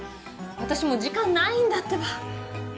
私もう時間ないんだってば。